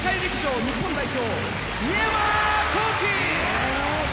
日本代表